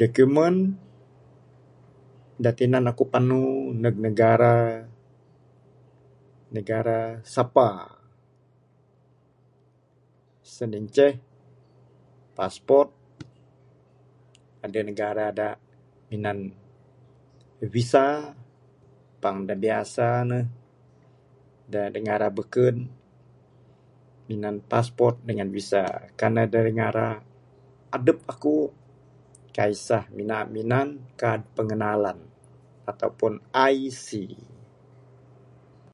Document da tinan aku panu neg negara, negara sapa sien inceh passport adeh negara da minan visa tang da biasa ne da negara beken minan passport dangan visa. Kan ne da negara adep aku kaik sah. Mina minan kad pengenalan ataupun IC.